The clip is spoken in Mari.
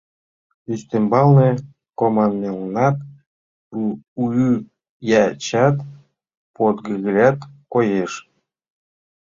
Ӱстембалне команмелнат, ӱячат, подкогылят коеш.